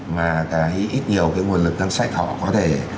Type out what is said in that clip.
mà cái ít nhiều cái nguồn lực ngân sách họ có thể